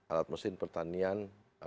alat mesin pertanian